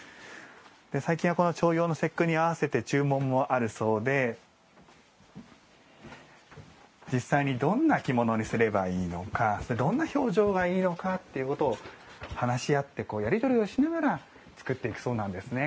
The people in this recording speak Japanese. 最近は、重陽の節句に合わせて注文もあるそうで実際にどんな着物にすればいいのかどんな表情がいいのかってことを話し合って、やり取りをしながら作っていくそうなんですね。